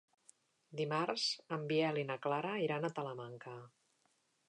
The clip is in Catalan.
Dimarts en Biel i na Clara iran a Talamanca.